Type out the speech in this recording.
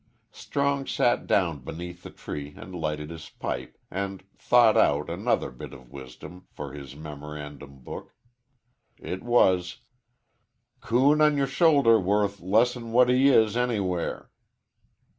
Strong sat down beneath the tree and lighted his pipe and "thought out" another bit of wisdom for his memorandum book. It was: _"Coon on yer shoulder worth less'n what he is anywhere."